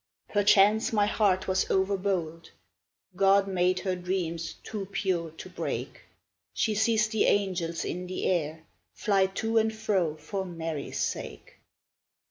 Perchance my heart was overbold, God made her dreams too pure to break, She sees the angels in the air Fly to and fro for Mary's sake.